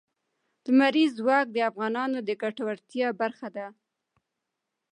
لمریز ځواک د افغانانو د ګټورتیا برخه ده.